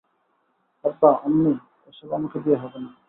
আব্বা, আম্মি, এসব আমাকে দিয়ে হবে না।